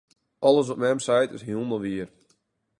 Alles wat mem seit, is hielendal wier.